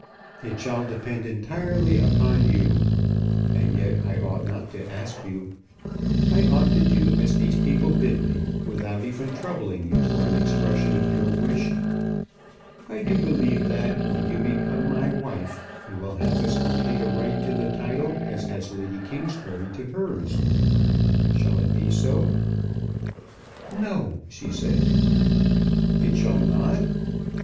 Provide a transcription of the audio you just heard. "It shall depend entirely upon you. And yet I ought not to ask you. I ought to do as these people bid me without even troubling you for an expression of your wish. I do believe that when you become my wife, you will have as complete a right to the title as has Lady Kingsbury to hers. Shall it be so?" "No," she said. "It shall not?"